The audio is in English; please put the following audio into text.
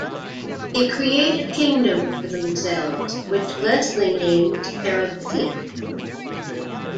They create a kingdom for themselves, which Leslie names Terabithia.